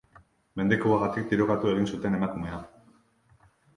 Mendekuagatik tirokatu egin zuten emakumea.